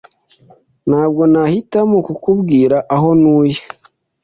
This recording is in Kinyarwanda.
Ntabwo nahitamo kukubwira aho ntuye.